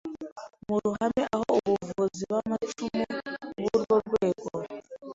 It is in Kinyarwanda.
mu ruhame aho abavuzi b’amacumu b’urwo rwego